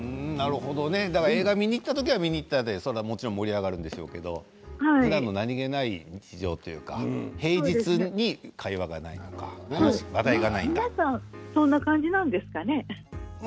映画を見に行った時はもちろん盛り上がるんでしょうけどふだんの何気ない日常というか平日に会話がない皆さんそんな感じなんですかね。